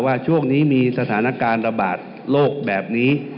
ว่าช่วงนี้มีสถานการณ์ระบาดโลกแบบนี้